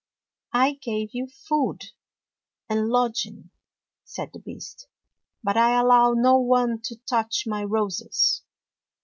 " I gave you food and lodging " said the Beast, " but I allow no one to touch my roses.